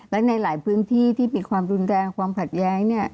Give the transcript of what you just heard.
และในหลายพื้นที่ที่มีความรุนแรงความขัดแย้ง